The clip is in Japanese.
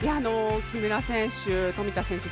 木村選手、富田選手